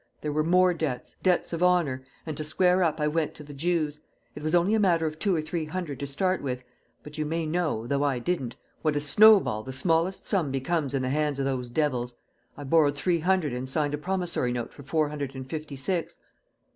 There were more debts debts of honour and to square up I went to the Jews. It was only a matter of two or three hundred to start with; but you may know, though I didn't, what a snowball the smallest sum becomes in the hands of those devils. I borrowed three hundred and signed a promissory note for four hundred and fifty six."